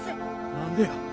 何でや？